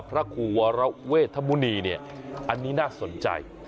พระครูวรเวทมุณีเนี่ยอันนี้น่าสนใจ